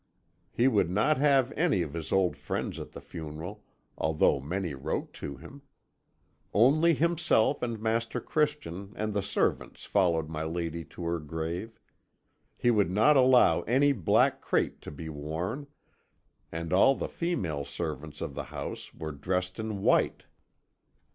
He would not have any of his old friends at the funeral, although many wrote to him. Only himself and Master Christian and the servants followed my lady to her grave. He would not allow any black crape to be worn, and all the female servants of the house were dressed in white.